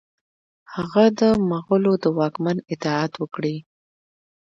هغه د مغولو د واکمن اطاعت وکړي.